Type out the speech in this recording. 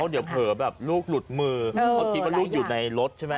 เดี๋ยวเผลอแบบลูกหลุดมือเพราะคิดว่าลูกอยู่ในรถใช่ไหม